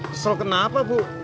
kesal kenapa bu